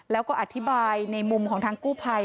แล้วก็อธิบายในมุมของทางกู้ภัย